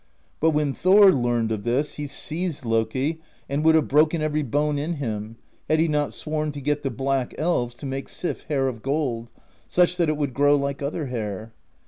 But when Thor learned of this, he seized Loki, and would have broken every bone in him, had he not sworn to get the Black Elves to make Sif hair of gold, such that it would grow like other hair.